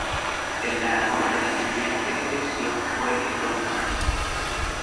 El ganador de la siguiente elección fue el Dr.